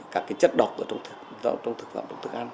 các cái chất độc ở trong thực phẩm